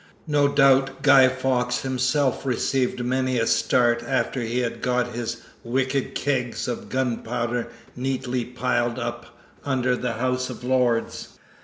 No doubt Guy Fawkes himself received many a start after he had got his wicked kegs of gunpowder neatly piled up under the House of Lords.